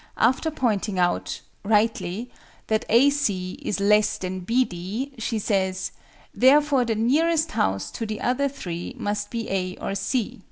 After pointing out (rightly) that AC is less than BD she says, "therefore the nearest house to the other three must be A or C."